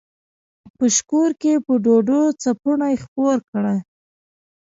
په شکور کښې په ډوډو څپُوڼے خپور کړه۔